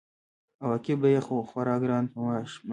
عواقب به یې خورا ګران تمام شي.